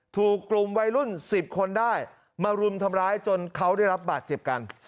ถูกกลุ่มวัยรุ่น๑๐คนได้มารุมทำร้ายจนเขาได้รับบาดเจ็บกัน